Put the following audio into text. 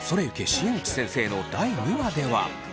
新内先生」の第２話では。